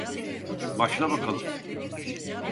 Başla bakalım.